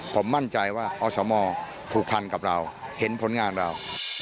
ผมมั่นใจว่าอสมผูกพันกับเราเห็นผลงานเรา